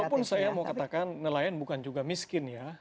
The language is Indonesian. walaupun saya mau katakan nelayan bukan juga miskin ya